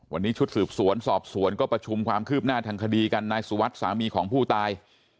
วันนี้ชุดสืบสวนสอบสวนก็ประชุมความคืบหน้าทางคดีกันนายสุวัสดิ์สามีของผู้ตาย